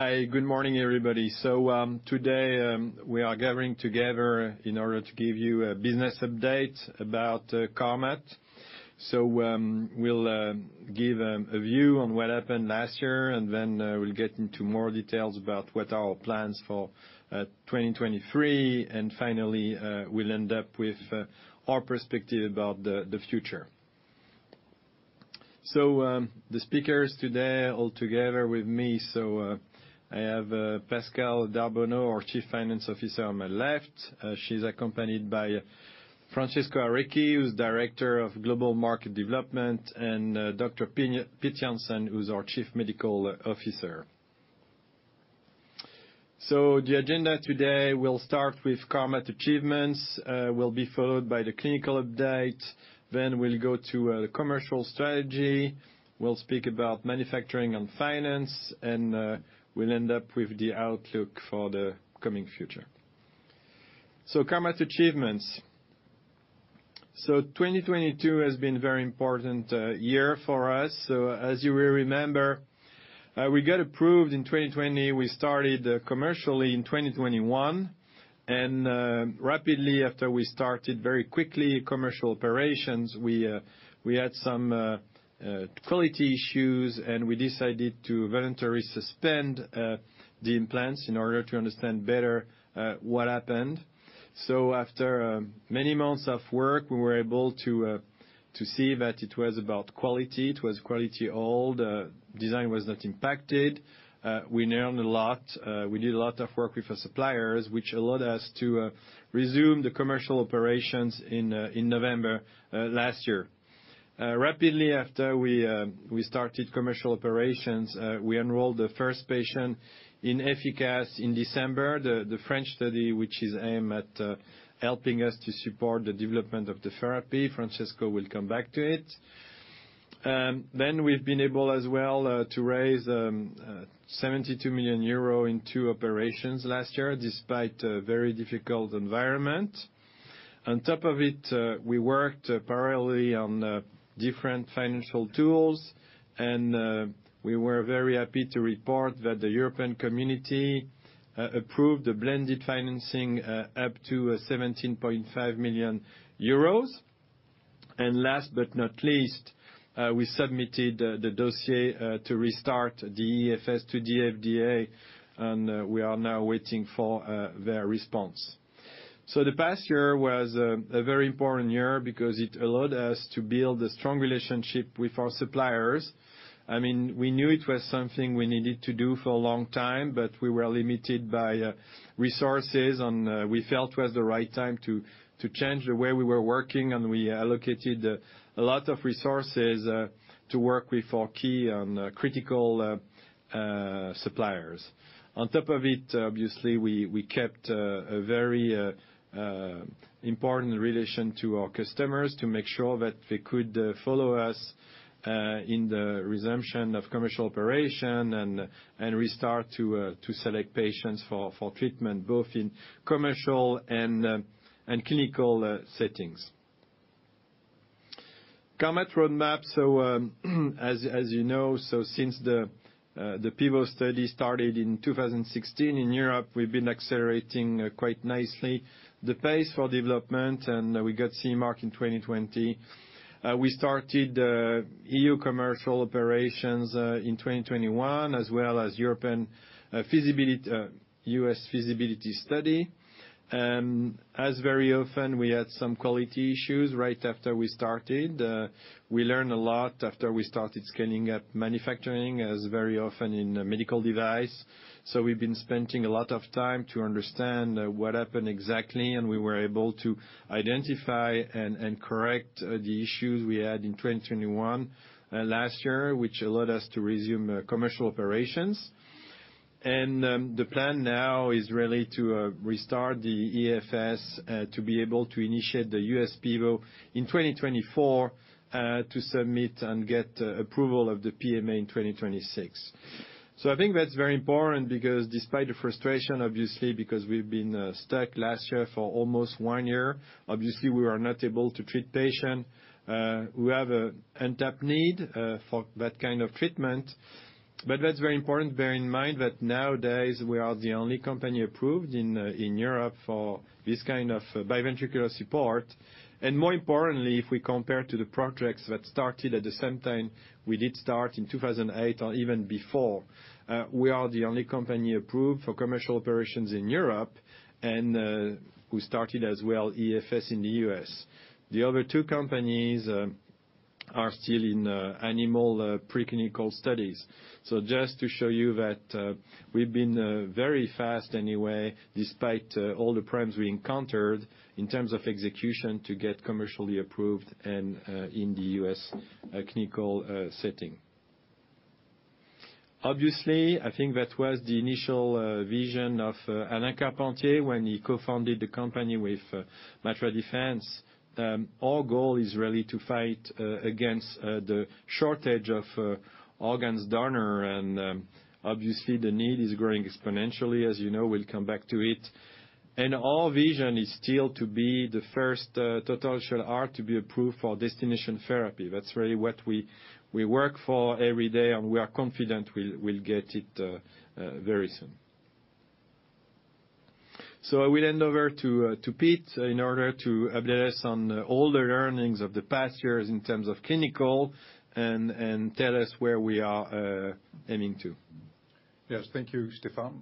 Hi, good morning, everybody. Today, we are gathering together in order to give you a business update about Carmat. We'll give a view on what happened last year. We'll get into more details about what are our plans for 2023. Finally, we'll end up with our perspective about the future. The speakers today all together with me. I have Pascale d'Arbonneau, our Chief Finance Officer on my left. She's accompanied by Francesco Arecchi, who's Director of Global Market Development, and Dr. Piet Jansen, who's our Chief Medical Officer. The agenda today, we'll start with Carmat achievements, will be followed by the clinical update. We'll go to the commercial strategy. We'll speak about manufacturing and finance, we'll end up with the outlook for the coming future. Carmat achievements. 2022 has been very important year for us. As you will remember, we got approved in 2020. We started commercially in 2021. Rapidly after we started very quickly commercial operations, we had some quality issues, and we decided to voluntarily suspend the implants in order to understand better what happened. After many months of work, we were able to see that it was about quality, it was quality hold. Design was not impacted. We learned a lot. We did a lot of work with the suppliers, which allowed us to resume the commercial operations in November last year. Rapidly after we started commercial operations, we enrolled the first patient in EFICAS in December, the French study, which is aimed at helping us to support the development of the therapy. Francesco will come back to it. We've been able as well to raise 72 million euro in two operations last year, despite a very difficult environment. On top of it, we worked parallelly on different financial tools, we were very happy to report that the European Community approved the blended financing up to 17.5 million euros. Last but not least, we submitted the dossier to restart the EFS to the FDA, we are now waiting for their response. The past year was a very important year because it allowed us to build a strong relationship with our suppliers. I mean, we knew it was something we needed to do for a long time, but we were limited by resources, and we felt it was the right time to change the way we were working, and we allocated a lot of resources to work with our key and critical suppliers. On top of it, obviously, we kept a very important relation to our customers to make sure that they could follow us in the resumption of commercial operation and restart to select patients for treatment, both in commercial and clinical settings. Carmat roadmap. As you know, since the PIVOTAL study started in 2016 in Europe, we've been accelerating quite nicely the pace for development, and we got CE mark in 2020. We started EU commercial operations in 2021, as well as European U.S. feasibility study. As very often, we had some quality issues right after we started. We learned a lot after we started scaling up manufacturing, as very often in a medical device. We've been spending a lot of time to understand what happened exactly, and we were able to identify and correct the issues we had in 2021 last year, which allowed us to resume commercial operations. The plan now is really to restart the EFS to be able to initiate the U.S. PIVO in 2024 to submit and get approval of the PMA in 2026. I think that's very important because despite the frustration, obviously, because we've been stuck last year for almost one year, obviously, we were not able to treat patient. We have a untapped need for that kind of treatment. That's very important to bear in mind that nowadays we are the only company approved in Europe for this kind of biventricular support. More importantly, if we compare to the projects that started at the same time, we did start in 2008 or even before. We are the only company approved for commercial operations in Europe and we started as well EFS in the U.S.. The other two companies are still in animal preclinical studies. Just to show you that we've been very fast anyway, despite all the problems we encountered in terms of execution to get commercially approved and in the U.S. clinical setting. Obviously, I think that was the initial vision of Alain Carpentier when he co-founded the company with Matra Défense. Our goal is really to fight against the shortage of organs donor. Obviously the need is growing exponentially, as you know. We'll come back to it. Our vision is still to be the first total artificial heart to be approved for destination therapy. That's really what we work for every day, and we are confident we'll get it very soon. I will hand over to Piet in order to address on all the learnings of the past years in terms of clinical and tell us where we are aiming to. Yes. Thank you, Stéphane.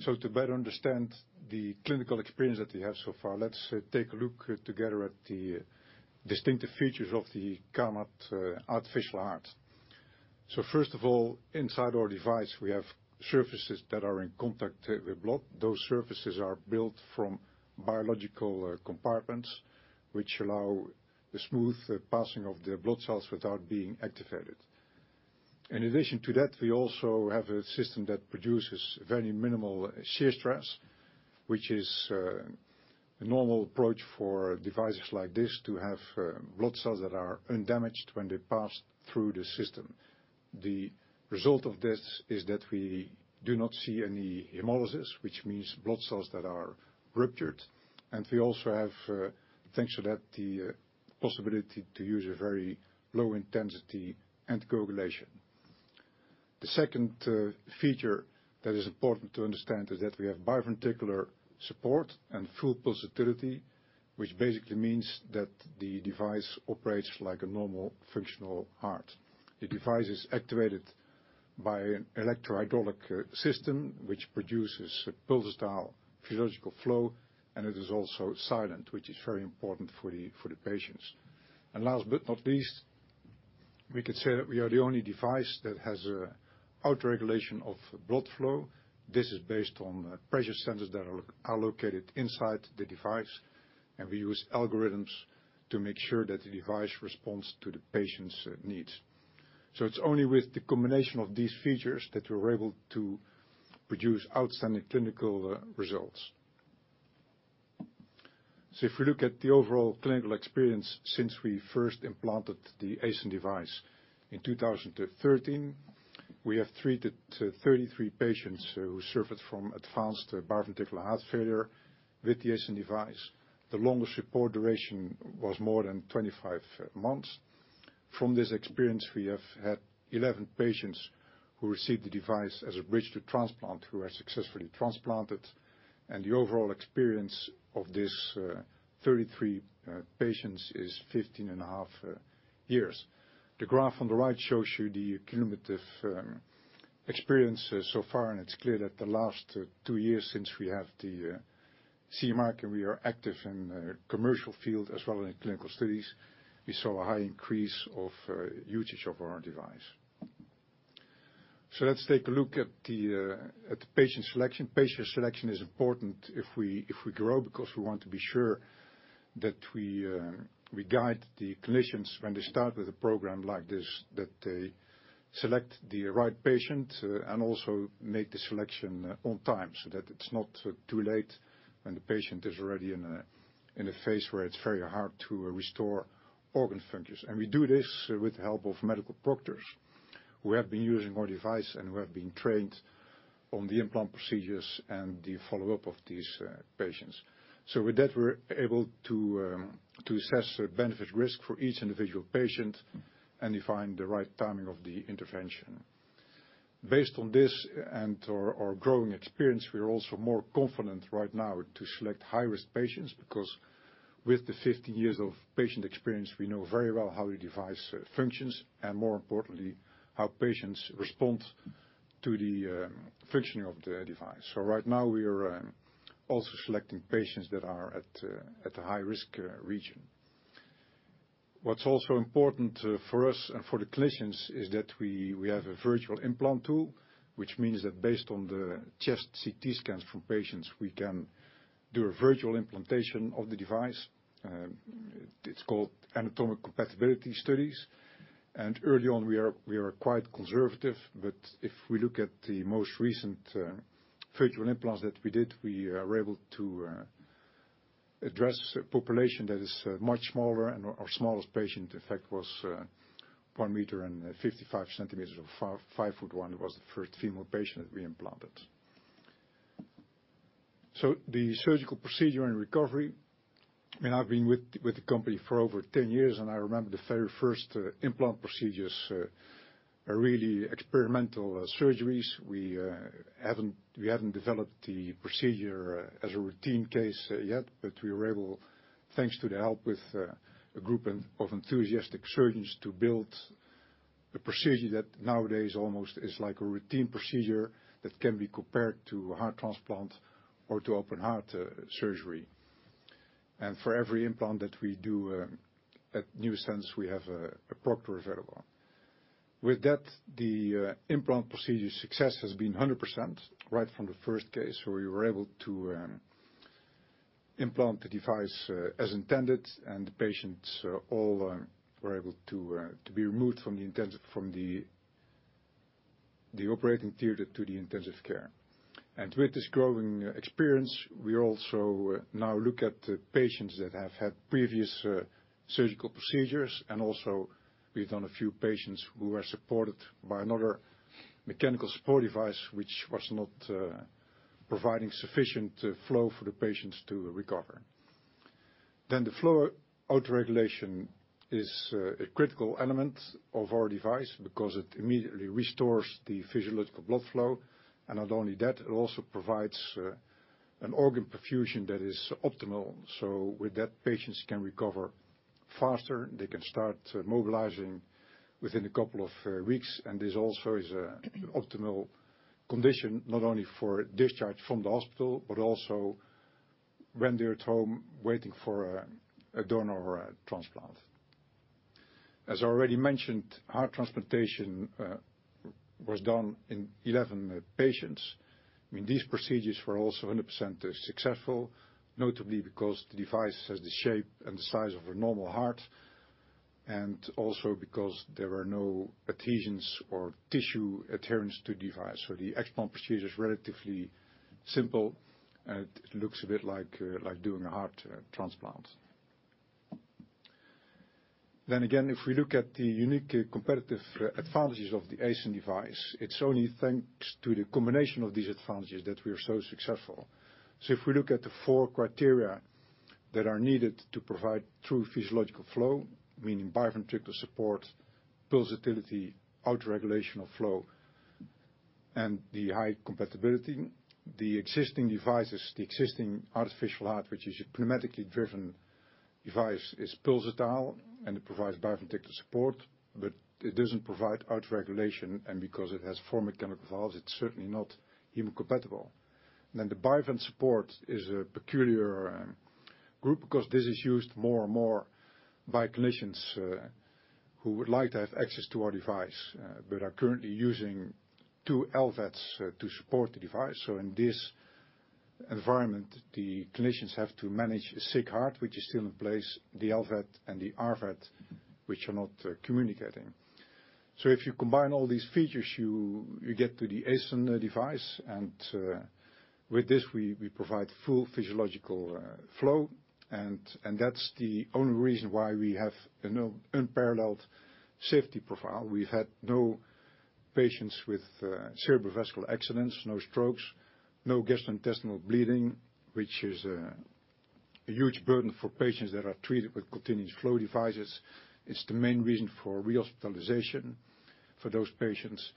To better understand the clinical experience that we have so far, let's take a look together at the distinctive features of the Carmat artificial heart. First of all, inside our device, we have surfaces that are in contact with blood. Those surfaces are built from biological compartments, which allow the smooth passing of the blood cells without being activated. In addition to that, we also have a system that produces very minimal shear stress, which is a normal approach for devices like this to have blood cells that are undamaged when they pass through the system. The result of this is that we do not see any hemolysis, which means blood cells that are ruptured. We also have, thanks to that, the possibility to use a very low intensity anticoagulation. The second feature that is important to understand is that we have biventricular support and full pulsatility, which basically means that the device operates like a normal functional heart. The device is activated by an electrohydraulic system, which produces a pulse-style physiological flow, and it is also silent, which is very important for the patients. Last but not least, we could say that we are the only device that has a autoregulation of blood flow. This is based on pressure sensors that are located inside the device, and we use algorithms to make sure that the device responds to the patient's needs. It's only with the combination of these features that we're able to produce outstanding clinical results. If we look at the overall clinical experience since we first implanted the Aeson device in 2013, we have treated 33 patients who suffered from advanced biventricular heart failure with the Aeson device. The longest report duration was more than 25 months. From this experience, we have had 11 patients who received the device as a bridge to transplant, who were successfully transplanted, and the overall experience of these 33 patients is 15 and a half years. The graph on the right shows you the cumulative experiences so far, and it's clear that the last two years since we have the CE mark, and we are active in the commercial field as well as in clinical studies, we saw a high increase of usage of our device. Let's take a look at the patient selection. Patient selection is important if we grow because we want to be sure that we guide the clinicians when they start with a program like this, that they select the right patient and also make the selection on time so that it's not too late when the patient is already in a phase where it's very hard to restore organ functions. We do this with the help of medical proctors who have been using our device and who have been trained on the implant procedures and the follow-up of these patients. With that, we're able to assess the benefit risk for each individual patient and define the right timing of the intervention. Based on this and our growing experience, we are also more confident right now to select high-risk patients because with the 50 years of patient experience, we know very well how the device functions and more importantly, how patients respond to the functioning of the device. Right now we are also selecting patients that are at a high-risk region. What's also important for us and for the clinicians is that we have a virtual implant tool, which means that based on the chest CT scans from patients, we can do a virtual implantation of the device. It's called anatomic compatibility studies. Early on, we are quite conservative, but if we look at the most recent virtual implants that we did, we are able to address a population that is much smaller and/or smallest patient, in fact, was one meter and 55 centimeters or five foot one. It was the first female patient that we implanted. The surgical procedure and recovery, I mean, I've been with the company for over 10 years, and I remember the very first implant procedures are really experimental surgeries. We haven't developed the procedure as a routine case yet, but we were able, thanks to the help with a group of enthusiastic surgeons to build a procedure that nowadays almost is like a routine procedure that can be compared to a heart transplant or to open heart surgery. For every implant that we do, at Neuss, we have a proctor available. With that, the implant procedure success has been 100% right from the first case where we were able to implant the device as intended, and the patients all were able to be removed from the operating theater to the intensive care. With this growing experience, we also now look at the patients that have had previous surgical procedures. Also we've done a few patients who were supported by another mechanical support device, which was not providing sufficient flow for the patients to recover. The flow autoregulation is a critical element of our device because it immediately restores the physiological blood flow. Not only that, it also provides an organ perfusion that is optimal. With that, patients can recover faster, and they can start mobilizing within a couple of weeks. This also is an optimal condition, not only for discharge from the hospital, but also when they're at home waiting for a donor or a transplant. I already mentioned, heart transplantation was done in 11 patients. I mean, these procedures were also 100% successful, notably because the device has the shape and the size of a normal heart, and also because there were no adhesions or tissue adherence to device. The explant procedure is relatively simple. It looks a bit like doing a heart transplant. Again, if we look at the unique competitive advantages of the Aeson device, it's only thanks to the combination of these advantages that we are so successful. If we look at the four criteria that are needed to provide true physiological flow, meaning biventricular support, pulsatility, autoregulation of flow, and the high compatibility. The existing devices, the existing artificial heart, which is a pneumatically driven device, is pulsatile, and it provides biventricular support, but it doesn't provide autoregulation. Because it has former chemical valves, it's certainly not hemocompatible. The bivent support is a peculiar group because this is used more and more by clinicians who would like to have access to our device but are currently using two LVADs to support the device. In this environment, the clinicians have to manage a sick heart, which is still in place, the LVAD and the RVAD, which are not communicating. If you combine all these features, you get to the Aeson device, and with this, we provide full physiological flow. That's the only reason why we have an unparalleled safety profile. We've had no patients with cerebral vascular accidents, no strokes, no gastrointestinal bleeding, which is a huge burden for patients that are treated with continuous flow devices. It's the main reason for rehospitalization for those patients.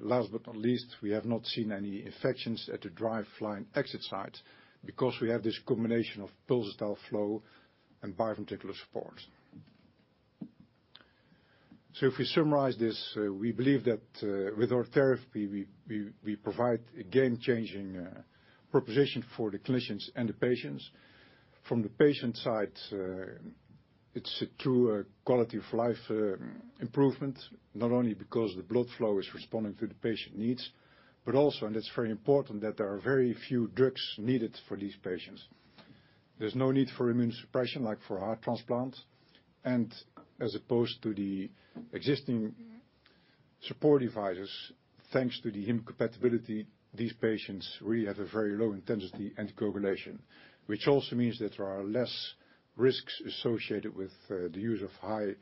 Last but not least, we have not seen any infections at the driveline exit site because we have this combination of pulsatile flow and biventricular support. If we summarize this, we believe that with our therapy, we provide a game-changing proposition for the clinicians and the patients. From the patient side, it's a true quality of life improvement, not only because the blood flow is responding to the patient needs, but also, and it's very important that there are very few drugs needed for these patients. There's no need for immunosuppression, like for heart transplant. As opposed to the existing support devices, thanks to the hemocompatibility, these patients really have a very low intensity anticoagulation, which also means that there are less risks associated with the use of high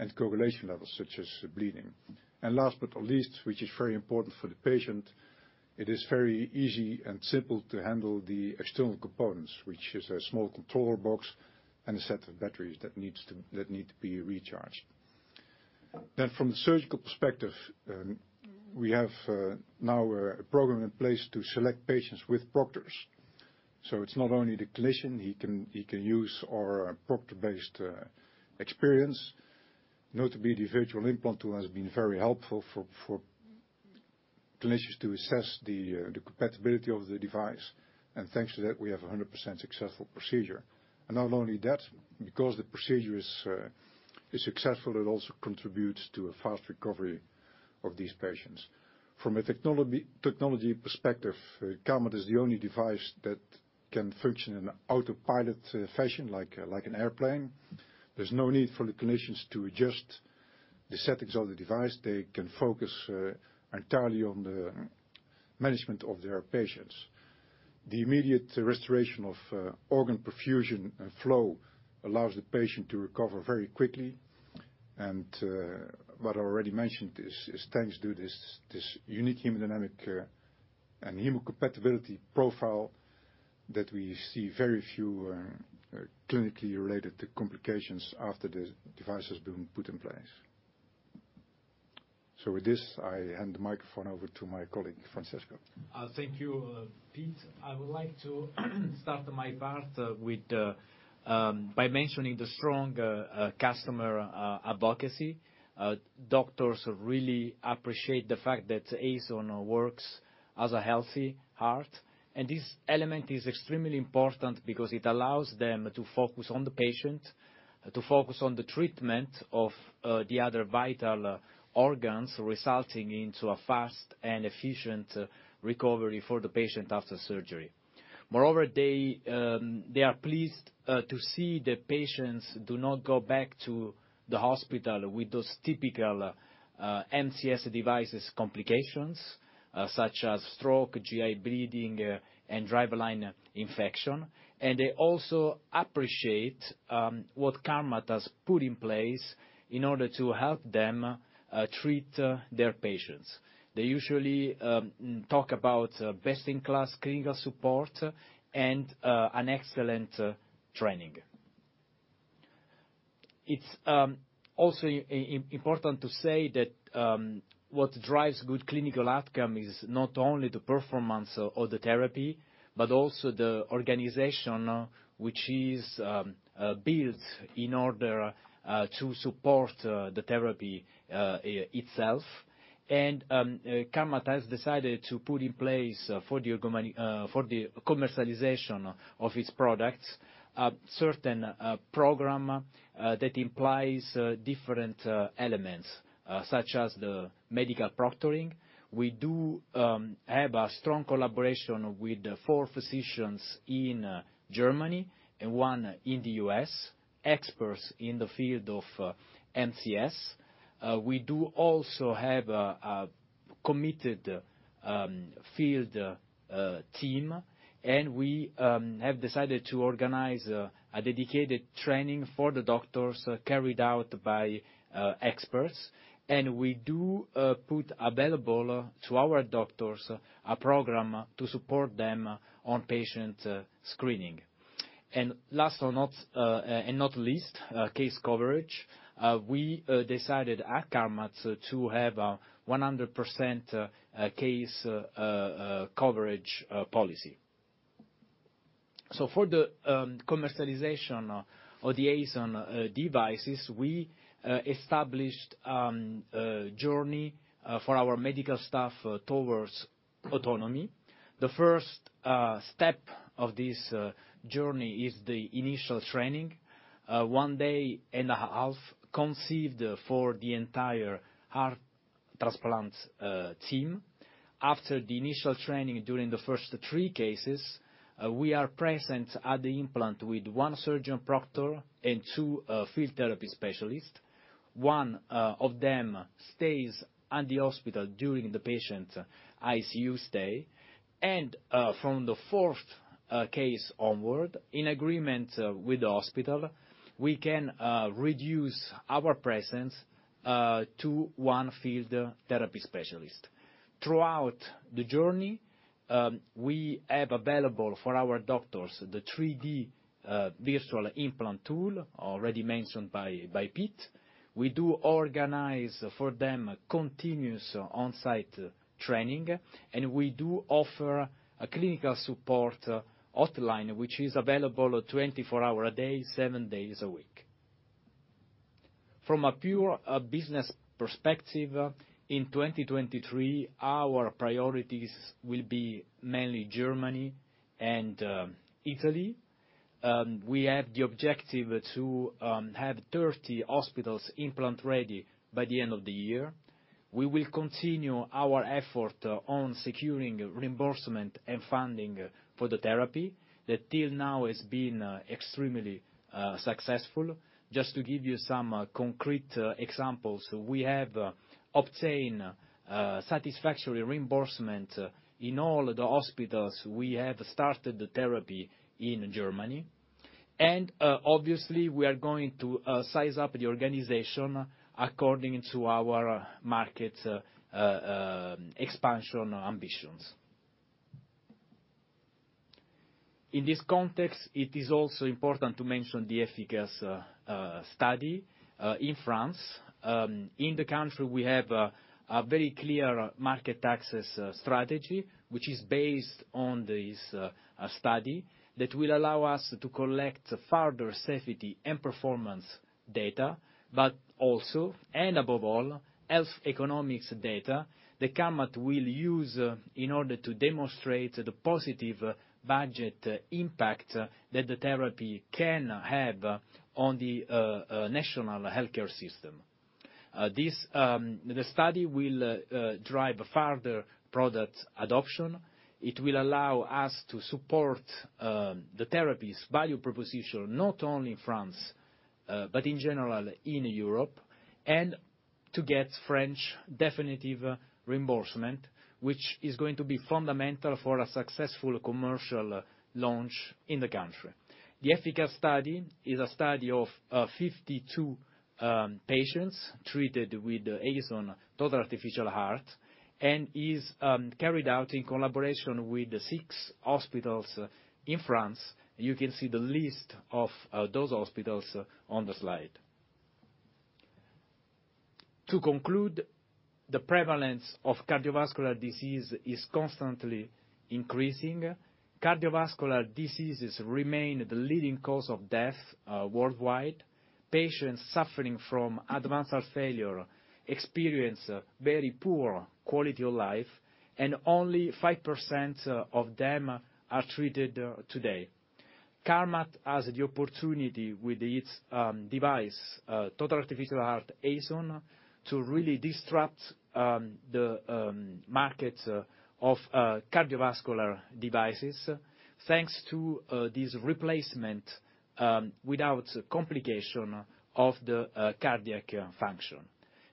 anticoagulation levels, such as bleeding. Last but not least, which is very important for the patient, it is very easy and simple to handle the external components, which is a small controller box and a set of batteries that need to be recharged. From the surgical perspective, we have now a program in place to select patients with proctors. It's not only the clinician. He can use our proctor-based experience. Notably, the virtual implant tool has been very helpful for clinicians to assess the compatibility of the device. Thanks to that, we have a 100% successful procedure. Not only that, because the procedure is successful, it also contributes to a fast recovery of these patients. From a technology perspective, Carmat is the only device that can function in an autopilot fashion like an airplane. There's no need for the clinicians to adjust the settings of the device. They can focus entirely on the management of their patients. The immediate restoration of organ perfusion and flow allows the patient to recover very quickly. What I already mentioned is thanks to this unique hemodynamic and hemocompatibility profile that we see very few clinically related to complications after the device has been put in place. With this, I hand the microphone over to my colleague, Francesco. Thank you, Piet. I would like to start my part by mentioning the strong customer advocacy. Doctors really appreciate the fact that Aeson works as a healthy heart. This element is extremely important because it allows them to focus on the patient, to focus on the treatment of the other vital organs, resulting into a fast and efficient recovery for the patient after surgery. Moreover, they are pleased to see the patients do not go back to the hospital with those typical MCS devices complications, such as stroke, GI bleeding, and drive line infection. They also appreciate what Carmat has put in place in order to help them treat their patients. They usually talk about best-in-class clinical support and an excellent training. It's also important to say that what drives good clinical outcome is not only the performance or the therapy, but also the organization which is built in order to support the therapy itself. Carmat has decided to put in place for the commercialization of its products, a certain program that implies different elements such as the medical proctoring. We do have a strong collaboration with the four physicians in Germany and one in the U.S., experts in the field of MCS. We do also have a committed field team, and we have decided to organize a dedicated training for the doctors carried out by experts. We do put available to our doctors a program to support them on patient screening. Last or not, and not least, case coverage. We decided at Carmat to have 100% case coverage policy. For the commercialization of the Aeson devices, we established a journey for our medical staff towards autonomy. The first step of this journey is the initial training, one day and a half conceived for the entire heart transplant team. After the initial training, during the first three cases, we are present at the implant with one surgeon proctor and two field therapy specialists. One of them stays at the hospital during the patient ICU stay. From the fourth case onward, in agreement with the hospital, we can reduce our presence to one field therapy specialist. Throughout the journey, we have available for our doctors the 3D virtual implant tool already mentioned by Piet. We do organize for them continuous on-site training, and we do offer a clinical support hotline, which is available 24 hour a day, seven days a week. From a pure business perspective, in 2023, our priorities will be mainly Germany and Italy. We have the objective to have 30 hospitals implant-ready by the end of the year. We will continue our effort on securing reimbursement and funding for the therapy that till now has been extremely successful. Just to give you some concrete examples, we have obtained satisfactory reimbursement in all the hospitals we have started the therapy in Germany. Obviously, we are going to size up the organization according to our market expansion ambitions. In this context, it is also important to mention the EFICAS study in France. In the country, we have a very clear market access strategy, which is based on this study that will allow us to collect further safety and performance data, but also, and above all, health economics data that Carmat will use in order to demonstrate the positive budget impact that the therapy can have on the national healthcare system. This study will drive further product adoption. It will allow us to support the therapy's value proposition, not only in France, but in general, in Europe, and to get French definitive reimbursement, which is going to be fundamental for a successful commercial launch in the country. The EFICAS study is a study of 52 patients treated with the Aeson total artificial heart and is carried out in collaboration with the six hospitals in France. You can see the list of those hospitals on the slide. To conclude, the prevalence of cardiovascular disease is constantly increasing. Cardiovascular diseases remain the leading cause of death worldwide. Patients suffering from advanced heart failure experience very poor quality of life, and only 5% of them are treated today. Carmat has the opportunity with its device, total artificial heart Aeson, to really disrupt the market of cardiovascular devices, thanks to this replacement without complication of the cardiac function.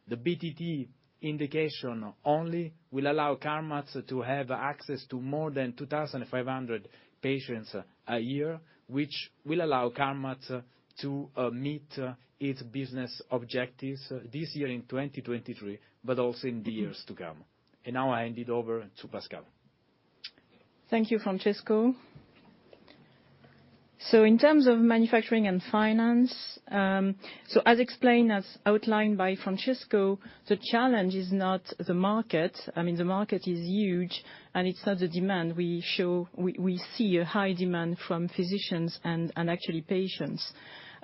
The BTT indication only will allow Carmat to have access to more than 2,500 patients a year, which will allow Carmat to meet its business objectives this year in 2023, but also in the years to come. Now I hand it over to Pascale. Thank you, Francesco. In terms of manufacturing and finance, as explained, as outlined by Francesco, the challenge is not the market. I mean, the market is huge, and it's not the demand. We see a high demand from physicians and actually patients.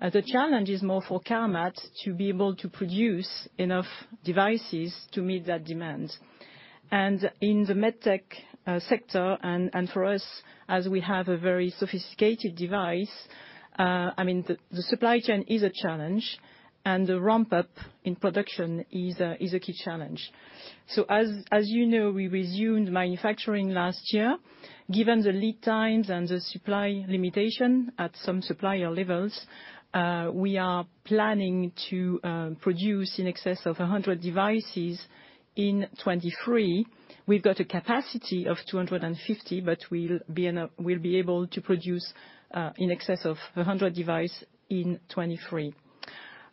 The challenge is more for Carmat to be able to produce enough devices to meet that demand. In the med tech sector and for us, as we have a very sophisticated device, I mean, the supply chain is a challenge and the ramp-up in production is a key challenge. As you know, we resumed manufacturing last year. Given the lead times and the supply limitation at some supplier levels, we are planning to produce in excess of 100 devices in 2023. We've got a capacity of 250, we'll be able to produce in excess of 100 device in 2023.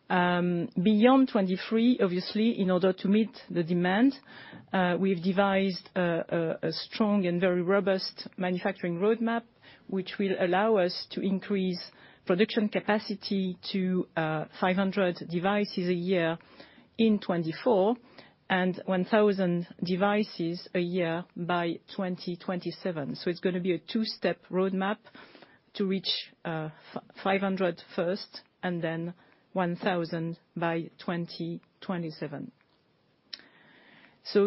Beyond 2023, obviously, in order to meet the demand, we've devised a strong and very robust manufacturing roadmap, which will allow us to increase production capacity to 500 devices a year in 2024 and 1,000 devices a year by 2027. It's gonna be a two-step roadmap to reach 500 first and then 1,000 by 2027.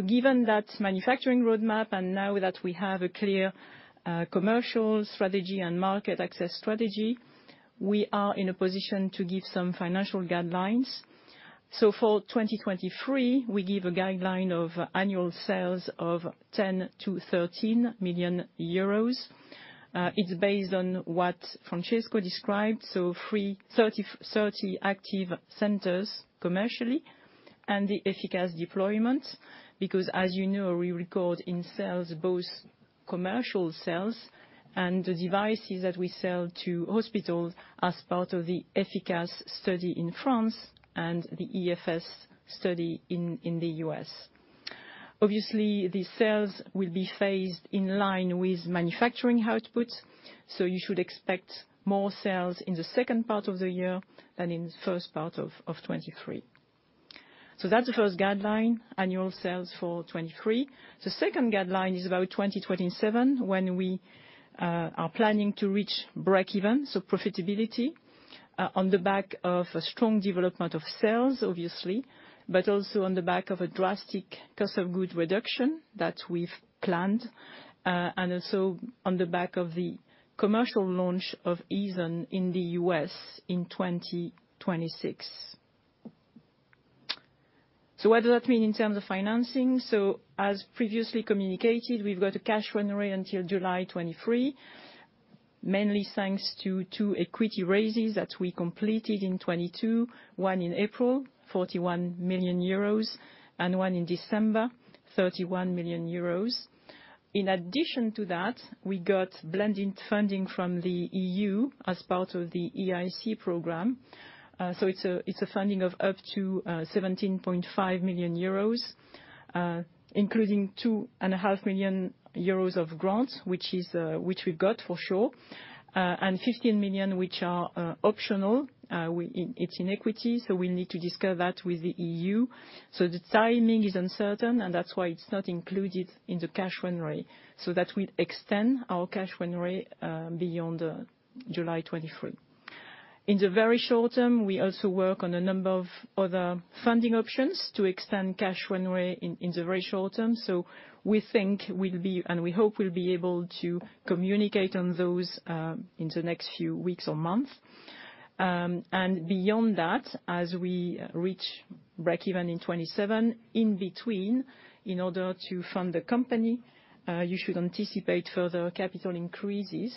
Given that manufacturing roadmap, and now that we have a clear commercial strategy and market access strategy, we are in a position to give some financial guidelines. For 2023, we give a guideline of annual sales of 10-13 million euros. It's based on what Francesco described, so three... 30 active centers commercially and the EFICAS deployment. As you know, we record in sales both commercial sales and the devices that we sell to hospitals as part of the EFICAS study in France and the EFS study in the U.S.. Obviously, the sales will be phased in line with manufacturing output, so you should expect more sales in the second part of the year than in the first part of 2023. That's the first guideline, annual sales for 2023. The second guideline is about 2027 when we are planning to reach breakeven, so profitability, on the back of a strong development of sales, obviously, but also on the back of a drastic cost of goods reduction that we've planned, and also on the back of the commercial launch of Aeson in the U.S. in 2026. What does that mean in terms of financing? As previously communicated, we've got a cash runway until July 2023, mainly thanks to two equity raises that we completed in 2022, one in April, 41 million euros, and one in December, 31 million euros. In addition to that, we got blending funding from the EU as part of the EIC program. It's a funding of up to 17.5 million euros, including two and a half million euros of grants, which is which we've got for sure, and 15 million, which are optional. It's in equity, so we need to discuss that with the EU. The timing is uncertain, and that's why it's not included in the cash runway. That will extend our cash runway beyond July 2023. In the very short term, we also work on a number of other funding options to extend cash runway in the very short term. We think we'll be, and we hope we'll be able to communicate on those in the next few weeks or months. Beyond that, as we reach breakeven in 2027, in between, in order to fund the company, you should anticipate further capital increases.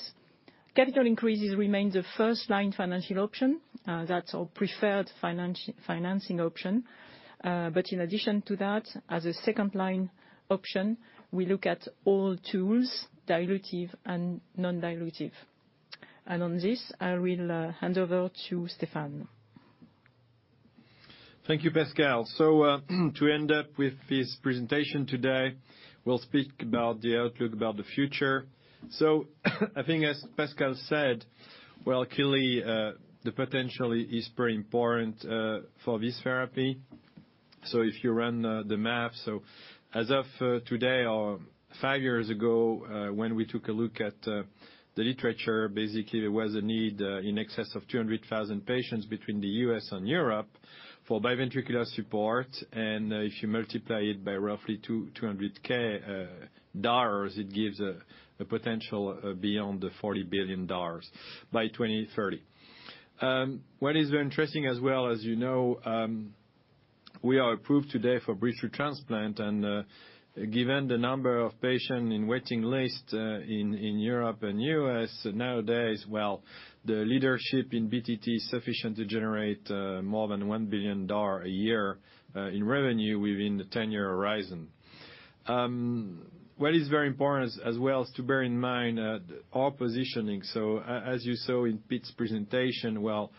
Capital increases remain the first line financial option. That's our preferred financing option. In addition to that, as a second line option, we look at all tools, dilutive and non-dilutive. On this, I will hand over to Stéphane. Thank you, Pascale. To end up with this presentation today, we'll speak about the outlook about the future. I think as Pascale said, well, clearly, the potential is pretty important for this therapy. If you run the math, as of today or five years ago, when we took a look at the literature, basically there was a need in excess of 200,000 patients between the U.S. and Europe for biventricular support. If you multiply it by roughly $200K, it gives a potential beyond $40 billion by 2030. What is very interesting as well, as you know, we are approved today for bridge to transplant. Given the number of patient in waiting list in Europe and U.S. nowadays, well, the leadership in BTT is sufficient to generate more than $1 billion a year in revenue within the 10-year horizon. What is very important as well is to bear in mind Our positioning. As you saw in Piet's presentation, well,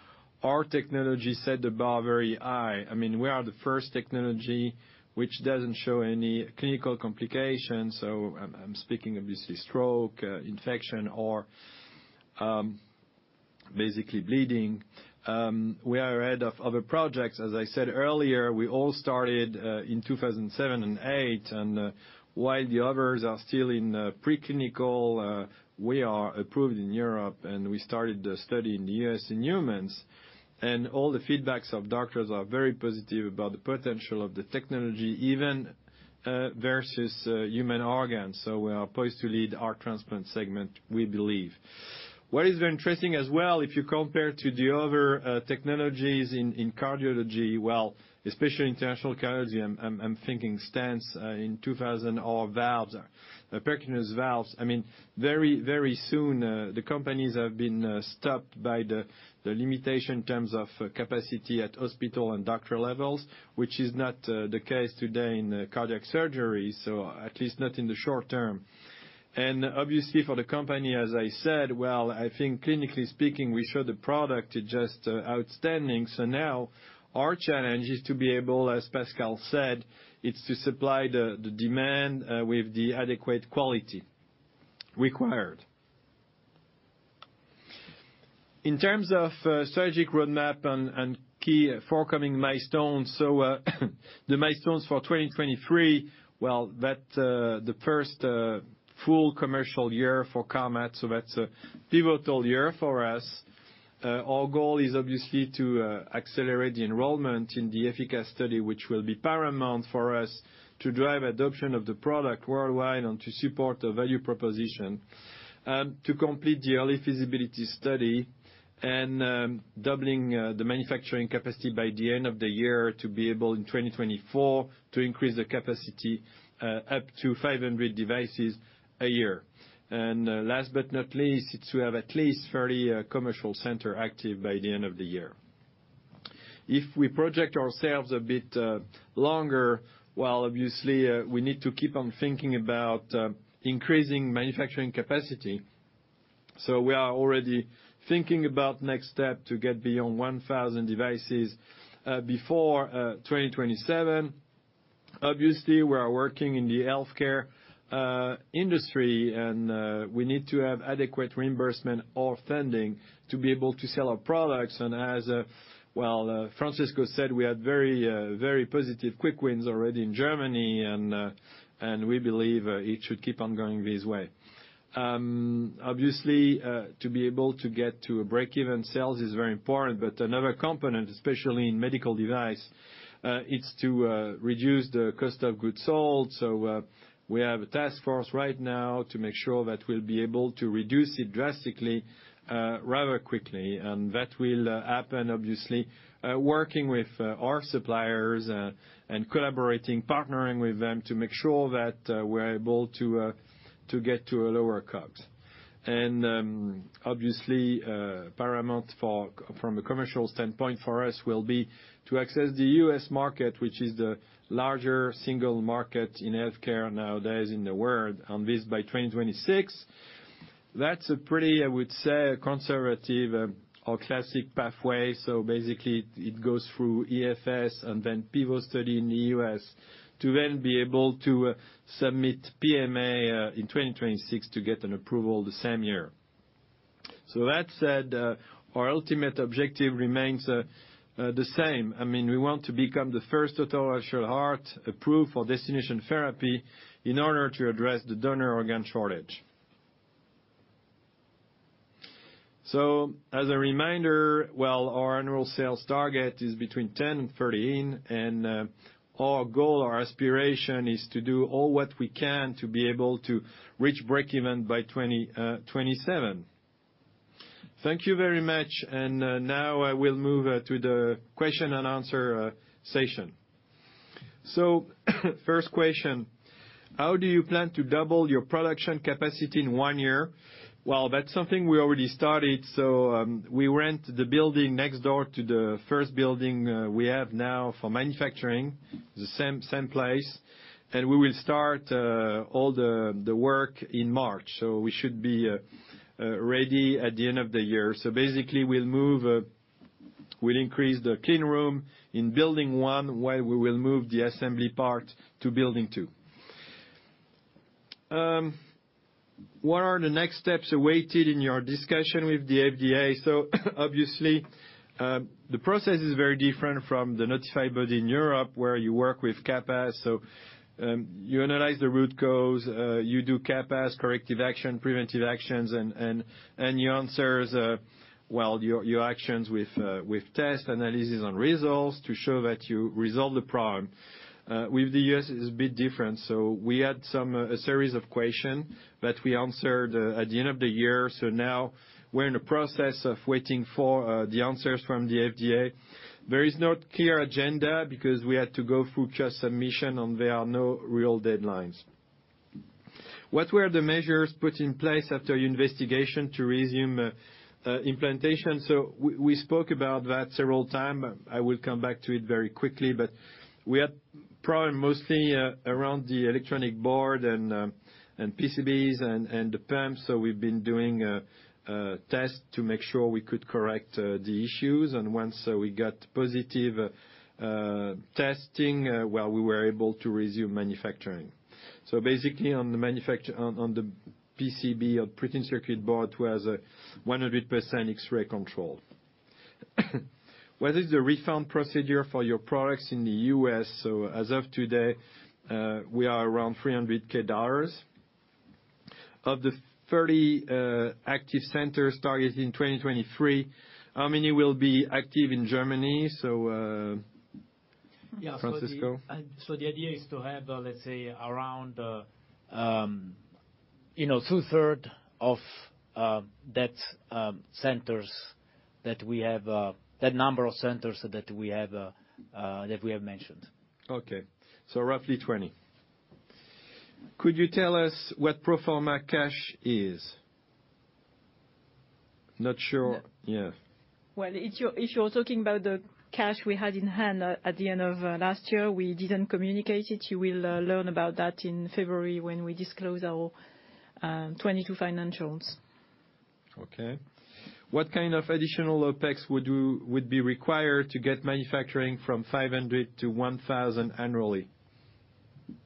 our technology set the bar very high. I mean, we are the first technology which doesn't show any clinical complications. I'm speaking obviously stroke, infection, or basically bleeding. We are ahead of other projects. As I said earlier, we all started in 2007 and 2008. While the others are still in preclinical, we are approved in Europe, and we started the study in the U.S. in humans. All the feedbacks of doctors are very positive about the potential of the technology, even versus human organs. We are poised to lead our transplant segment, we believe. What is very interesting as well, if you compare to the other technologies in cardiology, well, especially international cardiology, I'm thinking stents in 2000 or valves, the percutaneous valves. I mean, very, very soon, the companies have been stopped by the limitation in terms of capacity at hospital and doctor levels, which is not the case today in cardiac surgery, so at least not in the short term. Obviously, for the company, as I said, well, I think clinically speaking, we show the product is just outstanding. Now our challenge is to be able, as Pascale said, it's to supply the demand with the adequate quality required. In terms of strategic roadmap and key forthcoming milestones. The milestones for 2023, well, that's the first full commercial year for Carmat, so that's a pivotal year for us. Our goal is obviously to accelerate the enrollment in the efficacy study, which will be paramount for us to drive adoption of the product worldwide and to support the value proposition. To complete the early feasibility study and doubling the manufacturing capacity by the end of the year to be able, in 2024, to increase the capacity up to 500 devices a year. Last but not least, it's to have at least 30 commercial center active by the end of the year. If we project ourselves a bit longer, while obviously, we need to keep on thinking about increasing manufacturing capacity. We are already thinking about next step to get beyond 1,000 devices before 2027. Obviously, we are working in the healthcare industry, and we need to have adequate reimbursement or funding to be able to sell our products. As well, Francesco said, we had very positive quick wins already in Germany, and we believe it should keep on going this way. Obviously, to be able to get to a break-even sales is very important, but another component, especially in medical device, it's to reduce the cost of goods sold. We have a task force right now to make sure that we'll be able to reduce it drastically rather quickly. That will happen obviously, working with our suppliers, and collaborating, partnering with them to make sure that we're able to get to a lower cost. Obviously, paramount from a commercial standpoint for us will be to access the U.S. market, which is the larger single market in healthcare nowadays in the world, and this by 2026. That's a pretty, I would say, conservative or classic pathway. Basically, it goes through EFS and then PIVOTAL study in the U.S. to then be able to submit PMA in 2026 to get an approval the same year. That said, our ultimate objective remains the same. I mean, we want to become the first total artificial heart approved for destination therapy in order to address the donor organ shortage. As a reminder, well, our annual sales target is between 10 and 13. Our goal, our aspiration is to do all what we can to be able to reach breakeven by 2027. Thank you very much. Now I will move to the question and answer session. First question: How do you plan to double your production capacity in one year? Well, that's something we already started. We rent the building next door to the first building we have now for manufacturing, the same place. We will start all the work in March, so we should be ready at the end of the year. Basically, we'll move, we'll increase the clean room in building one, while we will move the assembly part to building two. What are the next steps awaited in your discussion with the FDA? Obviously, the process is very different from the notified body in Europe, where you work with CAPAS. You analyze the root cause, you do CAPAS, corrective action, preventive actions, and you answer the, well, your actions with tests, analysis, and results to show that you resolve the problem. With the U.S., it's a bit different. We had some, a series of question that we answered at the end of the year. Now we're in the process of waiting for the answers from the FDA. There is no clear agenda because we had to go through just submission, and there are no real deadlines. What were the measures put in place after your investigation to resume implantation? We spoke about that several time. I will come back to it very quickly, but we had problem mostly around the electronic board and PCBs and the pumps. We've been doing a test to make sure we could correct the issues and once we got positive testing, well, we were able to resume manufacturing. Basically on the PCB or printed circuit board was a 100% X-ray control. What is the refund procedure for your products in the U.S.? As of today, we are around $300 thousand. Of the 30 active centers targets in 2023, how many will be active in Germany? Francesco. Yeah. The idea is to have, let's say, around, you know, 2/3 of that centers that we have, that number of centers that we have, that we have mentioned. Okay. Roughly 20. Could you tell us what pro forma cash is? Not sure. Yeah. Well, if you're talking about the cash we had in hand at the end of last year, we didn't communicate it. You will learn about that in February when we disclose our 22 financials. Okay. What kind of additional OpEx would be required to get manufacturing from 500 to 1,000 annually?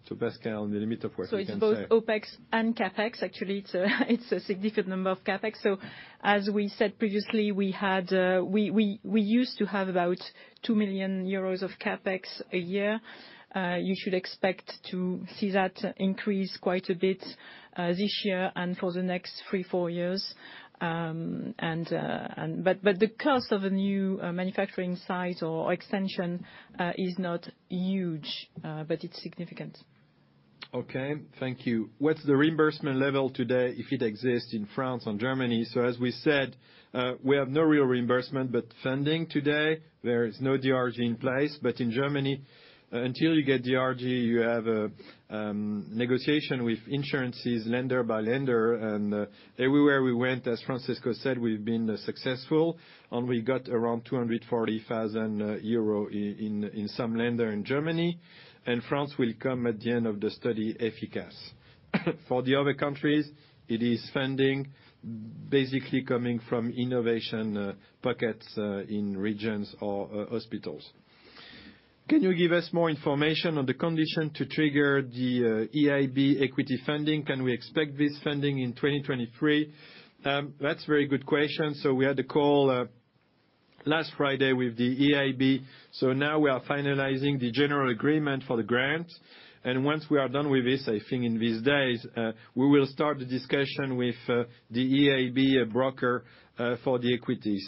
Pascale, in the limit of what you can say. It's both OpEx and CapEx. Actually, it's a significant number of CapEx. As we said previously, we used to have about 2 million euros of CapEx a year. You should expect to see that increase quite a bit this year and for the next three, four years. The cost of a new manufacturing site or extension is not huge, but it's significant. Okay, thank you. What's the reimbursement level today if it exists in France and Germany? As we said, we have no real reimbursement, but funding today, there is no DRG in place. In Germany, until you get DRG, you have negotiation with insurances Länder by Länder. Everywhere we went, as Francesco said, we've been successful, and we got around 240,000 euro in some Länder in Germany. France will come at the end of the study, EFICAS. For the other countries, it is funding basically coming from innovation pockets in regions or hospitals. Can you give us more information on the condition to trigger the EIB equity funding? Can we expect this funding in 2023? That's a very good question. We had a call last Friday with the EIB. Now we are finalizing the general agreement for the grant. Once we are done with this, I think in these days, we will start the discussion with the EIB broker for the equity.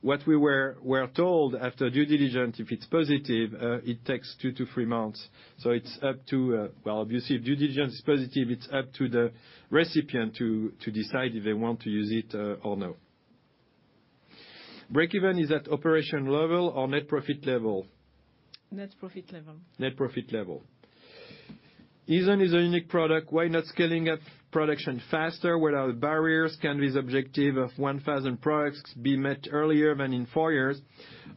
What we're told after due diligence, if it's positive, it takes two-three months. It's up to, well, obviously, if due diligence is positive, it's up to the recipient to decide if they want to use it or no. Breakeven, is that operation level or net profit level? Net profit level. Net profit level. Aeson is a unique product. Why not scaling up production faster? What are the barriers? Can this objective of 1,000 products be met earlier than in four years?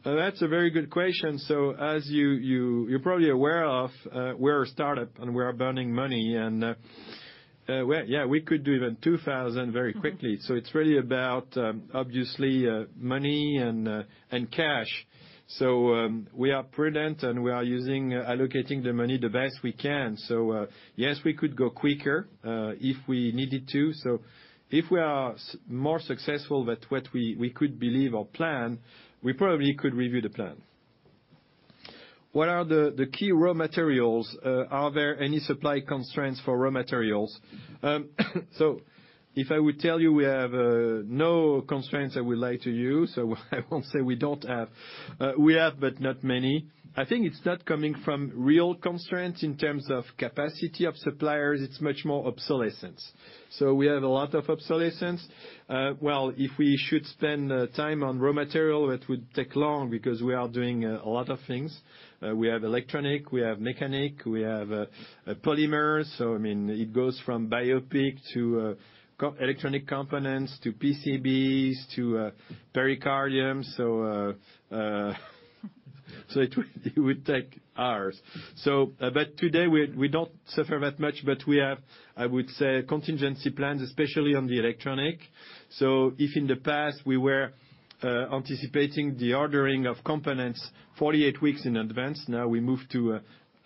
That's a very good question. As you're probably aware of, we're a startup and we are burning money. Yeah, we could do even 2,000 very quickly. It's really about, obviously, money and cash. We are prudent, and we are allocating the money the best we can. Yes, we could go quicker, if we needed to. If we are more successful with what we could believe or plan, we probably could review the plan. What are the key raw materials? Are there any supply constraints for raw materials? If I would tell you we have no constraints, I would lie to you. I won't say we don't have. We have, but not many. I think it's not coming from real constraints in terms of capacity of suppliers. It's much more obsolescence. We have a lot of obsolescence. Well, if we should spend time on raw material, it would take long because we are doing a lot of things. We have electronic, we have mechanic, we have polymers. I mean, it goes from bioprosthetic to electronic components, to PCBs, to pericardium. It would take hours. Today, we don't suffer that much, but we have, I would say, contingency plans, especially on the electronic. If in the past, we were anticipating the ordering of components 48 weeks in advance, now we move to,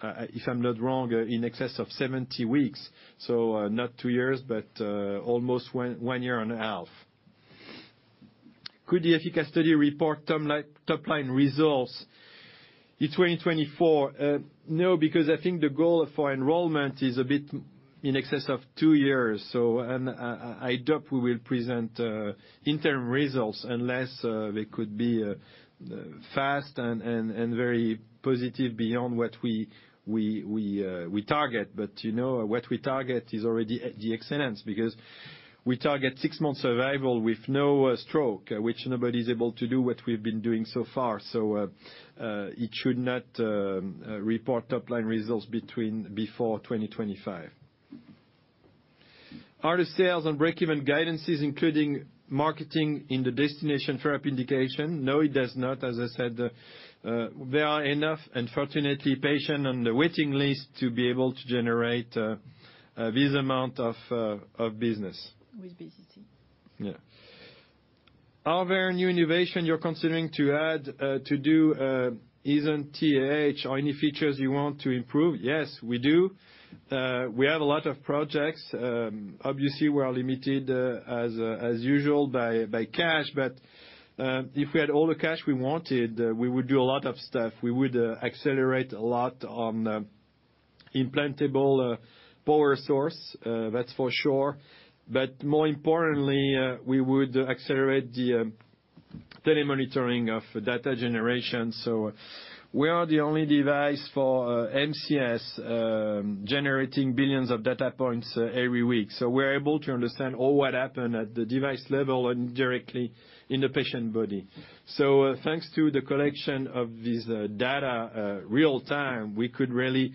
if I'm not wrong, in excess of 70 weeks. Not two years, but almost one year and a half. Could the EFICAS study report top line results in 2024? No, because I think the goal for enrollment is a bit in excess of two years. I doubt we will present interim results unless they could be fast and very positive beyond what we target. You know, what we target is already the excellence. We target six months survival with no stroke, which nobody is able to do what we've been doing so far. It should not report top-line results before 2025. Are the sales on break-even guidances, including marketing in the destination therapy indication? No, it does not. As I said, there are enough, and fortunately, patient on the waiting list to be able to generate this amount of business. With Bridge-to-transplantation. Are there new innovation you're considering to add, to do, Aeson or any features you want to improve? Yes, we do. We have a lot of projects. Obviously, we are limited as usual by cash. If we had all the cash we wanted, we would do a lot of stuff. We would accelerate a lot on implantable power source, that's for sure. More importantly, we would accelerate the telemonitoring of data generation. We are the only device for MCS, generating billions of data points every week, we're able to understand all what happened at the device level and directly in the patient body. Thanks to the collection of this data, real-time, we could really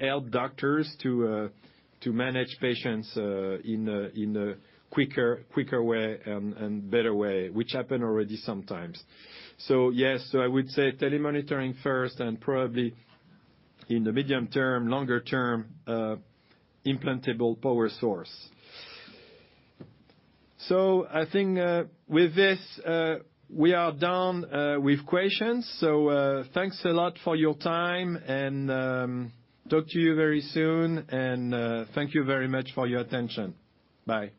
help doctors to manage patients in a quicker way and better way, which happened already sometimes. Yes, I would say telemonitoring first, and probably in the medium term, longer term, implantable power source. I think with this, we are done with questions. Thanks a lot for your time, and talk to you very soon, and thank you very much for your attention. Bye.